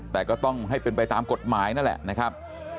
แต่ก็ต้องให้เป็นไปตามกฎหมายนั่นแหละนะครับ